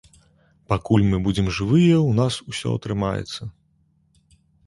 Пакуль мы будзем жывыя, у нас усё атрымаецца.